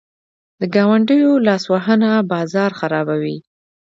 د ګاونډیو لاسوهنه بازار خرابوي.